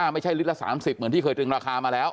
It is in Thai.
ลิตรละ๓๐เหมือนที่เคยตรึงราคามาแล้ว